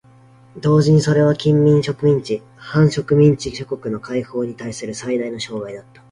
同時にそれは近隣植民地・半植民地諸国の解放にたいする最大の障害であった。